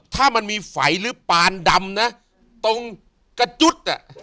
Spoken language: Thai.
ถ้ามันมีไฟหรือปานดำนะตรงกระจุ๊ดอ่ะ